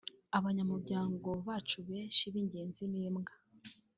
“Abanyamuryango bacu benshi b’ ingenzi ni imbwa